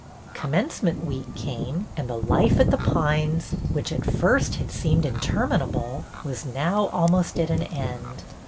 Commencement week came, and the life at The Pines, which at first had seemed interminable, was now almost at an end.